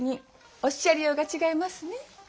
おっしゃりようが違いますね。